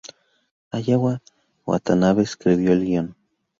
Aya Watanabe escribió el guion.